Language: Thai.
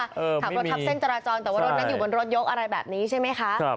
ขับรถทับเส้นจราจรแต่ว่ารถนั้นอยู่บนรถยกอะไรแบบนี้ใช่ไหมคะ